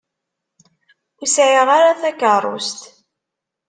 Ur sɛiɣ ara takeṛṛust.